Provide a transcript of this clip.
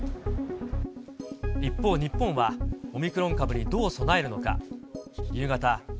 一方、日本はオミクロン株にどう備えるのか。